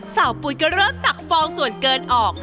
ปุ๋ยก็เริ่มตักฟองส่วนเกินออก